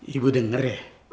ibu denger ya